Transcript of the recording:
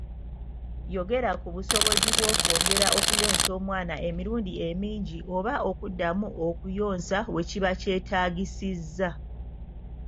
Yogera ku busobozi bw'okwongera okuyonsa omwana emirundi emingi oba okuddamu okuyonsa we kiba kyetaagisizza.